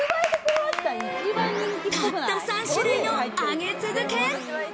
たった３種類の上げ続け。